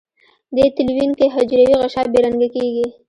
دې تلوین کې حجروي غشا بې رنګه کیږي.